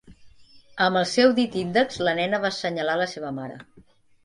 Amb el seu dit índex la nena va assenyalar la seva mare.